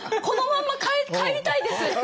このまんま帰りたいです。